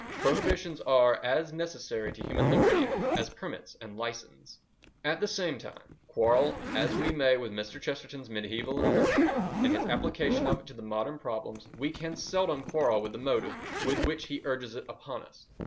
Prohibitions are as necessary to human liberty as permits and licences. At the same time, quarrel as we may with Mr. Chesterton's mediaevalism, and his application of it to modern problems, we can seldom quarrel with the motive with which he urges it upon us.